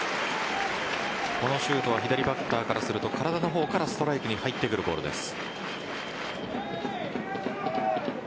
このシュートは左バッターからすると体の方からストライクに入ってくるボールです。